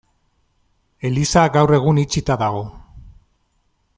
Eliza gaur egun itxita dago.